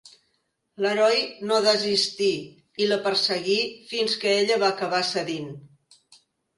L'heroi no desistí i la perseguí fins que ella va acabar cedint.